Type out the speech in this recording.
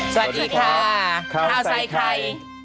สวัสดีค่ะข้าวใส่ไข่